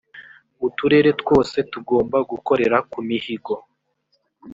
uturere twose tugomba gukorera ku mihigo